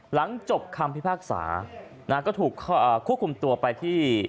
หลังจบคำพิพากษาก็ถูกควบคุมตัวไปที่